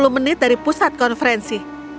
sepuluh menit dari pusat konferensi